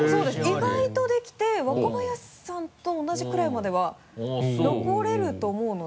意外とできて若林さんと同じくらいまでは残れると思うので。